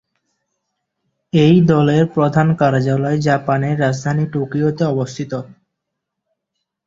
এই দলের প্রধান কার্যালয় জাপানের রাজধানী টোকিওতে অবস্থিত।